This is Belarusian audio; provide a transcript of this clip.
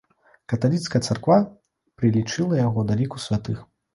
Каталіцкая царква прылічыла яго да ліку святых.